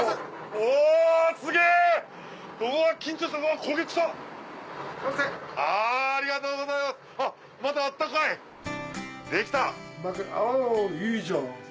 おいいじゃん。